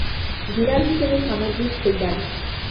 Dinner হিসাবে সামুদ্রিক শৈবাল।